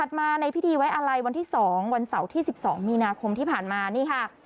มาในพิธีไว้อะไรวันที่๒วันเสาร์ที่๑๒มีนาคมที่ผ่านมานี่ค่ะ